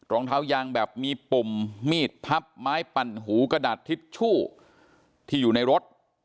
รองเท้ายางแบบมีปุ่มมีดพับไม้ปั่นหูกระดาษทิชชู่ที่อยู่ในรถ